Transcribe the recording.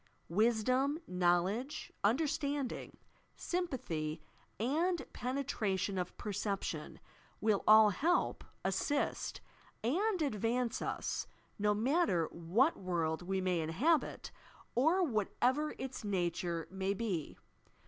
Wisdom, knowledge, understanding, sympathy and penetration of perception will all help, assist and advance ua, no matter what world we may inhabit or whatever its nature may be.